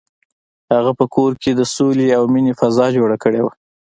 هغه په کور کې د سولې او مینې فضا جوړه کړې وه.